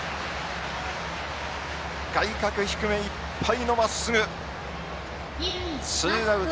外角、低め、いっぱいのまっすぐ。